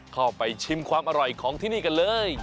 เข้าไปชิมความอร่อยของที่นี่กันเลย